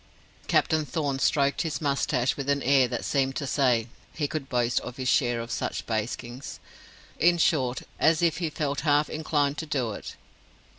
Captain Thorn stroked his moustache with an air that seemed to say he could boast of his share of such baskings: in short, as if he felt half inclined to do it.